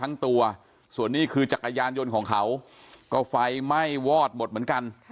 ทั้งตัวส่วนนี้คือจักรยานยนต์ของเขาก็ไฟไหม้วอดหมดเหมือนกัน